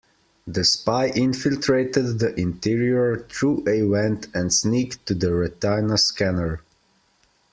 The spy infiltrated the interior through a vent and sneaked to the retina scanner.